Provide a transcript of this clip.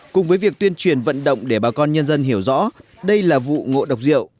cùng với việc tuyên truyền vận động để bà con nhân dân hiểu rõ đây là vụ ngộ độc rượu